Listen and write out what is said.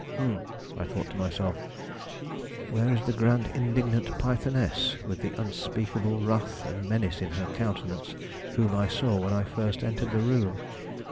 "Humph!" thought I to myself; "where is the grand indignant pythoness, with the unspeakable wrath and menace in her countenance, whom I saw when I first entered the room?"